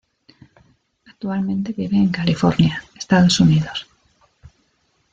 Actualmente vive en California, Estados Unidos.